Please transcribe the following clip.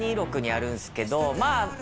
谷６にあるんすけどまあ